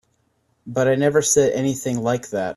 But I never said anything like that.